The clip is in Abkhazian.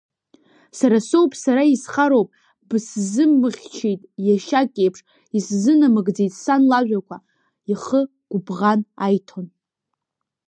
Сара соуп, сара исхароуп, бысзымыхьчеит иашьак иеиԥш, исзынамыгӡеит сан лажәақәа, ихы гәыбӷан аиҭон.